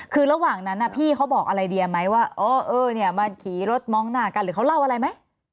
คือระหว่างนั้นพี่เขาบอกอะไรเดียไหมว่าเออเนี่ยมาขี่รถมองหน้ากันหรือเขาเล่าอะไรไหม